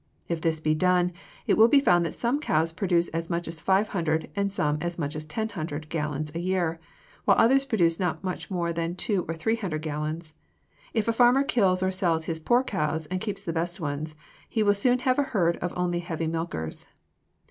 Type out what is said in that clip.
If this be done, it will be found that some cows produce as much as five hundred, and some as much as ten hundred, gallons a year, while others produce not more than two or three hundred gallons. If a farmer kills or sells his poor cows and keeps his best ones, he will soon have a herd of only heavy milkers.